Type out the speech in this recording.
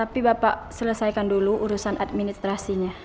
pak selesaikan dulu urusan administrasinya